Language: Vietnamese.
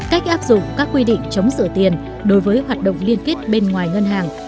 cách áp dụng các quy định chống sửa tiền đối với hoạt động liên kết bên ngoài ngân hàng